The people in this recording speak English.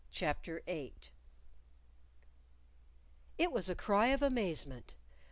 CHAPTER VIII It was a cry of amazement.